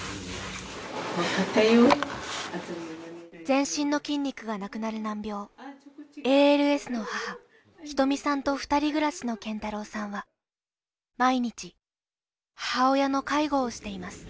全身の筋肉がなくなる難病ＡＬＳの母仁美さんと２人暮らしの謙太郎さんは毎日母親の介護をしています